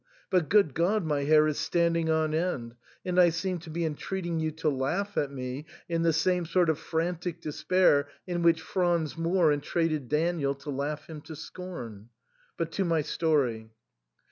But, good God ! my hair is standing on end, and I seem to be entreating you to laugh at me in the same sort of frantic despair in which Franz Moor entreated Daniel to laugh him to scorn.* But to my story.